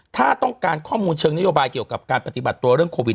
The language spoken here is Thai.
ถ้าต้องการข้อมูลเชิงนโยบายเกี่ยวกับการปฏิบัติตัวเรื่องโควิด